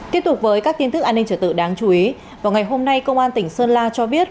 tiếp tục với các tin tức an ninh trở tự đáng chú ý vào ngày hôm nay công an tỉnh sơn la cho biết